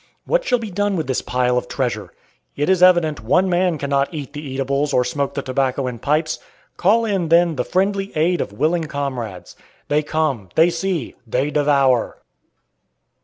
What shall be done with this pile of treasure? It is evident one man cannot eat the eatables or smoke the tobacco and pipes. Call in, then, the friendly aid of willing comrades. They come; they see; they devour!